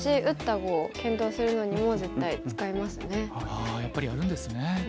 ああやっぱりやるんですね。